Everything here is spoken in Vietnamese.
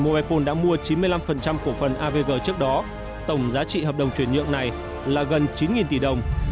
mobifone đã mua chín mươi năm cổ phần avg trước đó tổng giá trị hợp đồng chuyển nhượng này là gần chín tỷ đồng